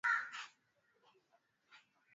Uarabuni haikuwa kubwa sana hivyo lugha ya wenyeji